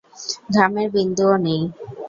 ঘামের বিন্দুও নেই।